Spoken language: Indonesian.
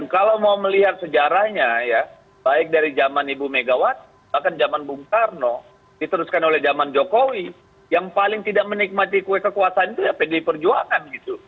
kalau mau melihat sejarahnya ya baik dari zaman ibu megawati bahkan zaman bung karno diteruskan oleh zaman jokowi yang paling tidak menikmati kue kekuasaan itu ya pdi perjuangan gitu